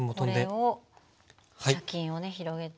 これを茶巾をね広げて。